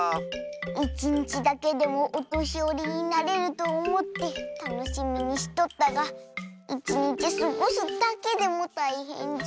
いちにちだけでもおとしよりになれるとおもってたのしみにしとったがいちにちすごすだけでもたいへんじゃ。